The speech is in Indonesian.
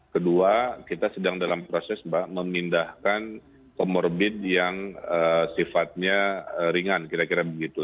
kedua kita sedang dalam proses mbak memindahkan comorbid yang sifatnya ringan kira kira begitu